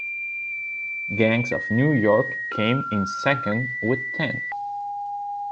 "Gangs of New York" came in second with ten.